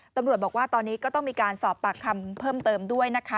ตำรวจบอกว่าตอนนี้ก็ต้องมีการสอบปากคำเพิ่มเติมด้วยนะคะ